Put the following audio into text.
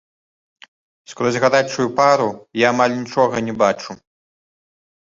Скрозь гарачую пару я амаль нічога не бачу.